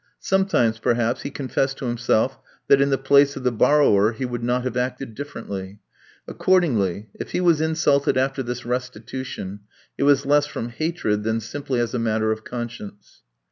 Sometimes, perhaps, he confessed to himself that, in the place of the borrower, he would not have acted differently. Accordingly, if he was insulted after this restitution, it was less from hatred than simply as a matter of conscience.